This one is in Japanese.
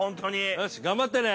◆よし、頑張ってね。